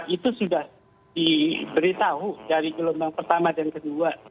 itu sudah diberitahu dari gelombang pertama dan kedua